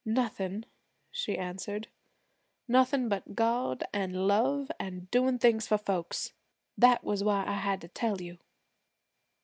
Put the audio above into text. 'Nothin',' she answered, 'nothin' but God an' love an' doin' things for folks. That was why I had to tell you.'